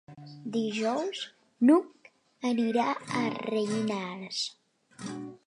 Dijous n'Hug anirà a Rellinars.